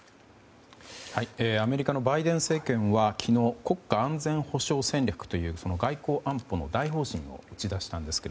アメリカのバイデン政権は昨日国家安全保障戦略という外交安保の大方針を打ち出したんですが